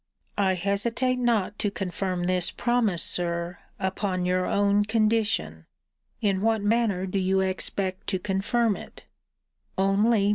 I hesitate not to confirm this promise, Sir, upon your own condition. In what manner do you expect to confirm it?